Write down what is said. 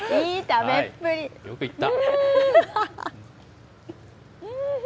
よくいった。